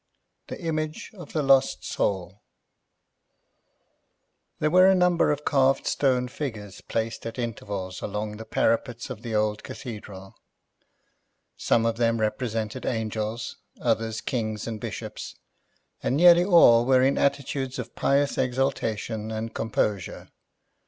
THE IMAGE OF THE LOST SOUL There were a number of carved stone figures placed at intervals along the parapets of the old Cathedral; some of them represented angels, others kings and bishops, and nearly all were in attitudes of pious exaltation and composure.